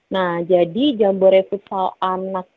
nah jadi jambore futsal anak